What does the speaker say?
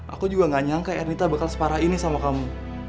aku juga gak nyangka ernita bakal separah ini sama kamu